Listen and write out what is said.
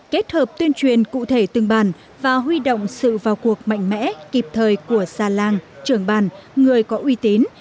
kết hợp tuyên truyền cụ thể từng bàn và huy động sự vào cuộc mạnh mẽ kịp thời của xa làng trưởng bàn người có uy tín